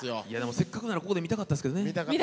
せっかくならここで見たかったですけどね。